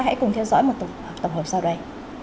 hãy cùng theo dõi một tổng hợp sau đây